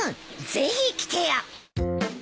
ぜひ来てよ。